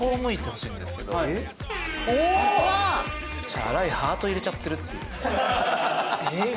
チャラいハート入れちゃってるっていう。